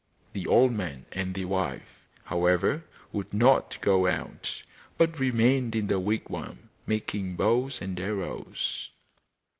The old man and the wife, however, would not go out, but remained in the wigwam making bows and arrows.